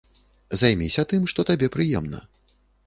Займіся тым, што табе прыемна.